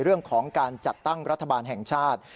เรื่องของการจัดตั้งรัฐบาลแห่งชาติ